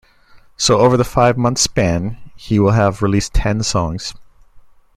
So over the five-month span he will have released ten songs.